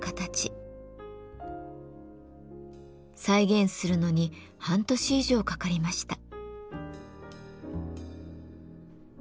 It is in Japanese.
再現するのに半年以上かかりました。